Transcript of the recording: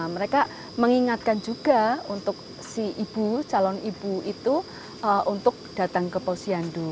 mereka mengingatkan juga untuk si ibu calon ibu itu untuk datang ke posyandu